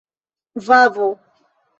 vavo